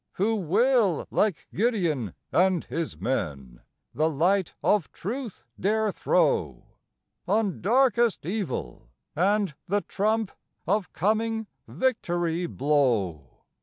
Who will, like Gideon and his men, the light of truth dare throw On darkest evil, and the trump of coming victory blow?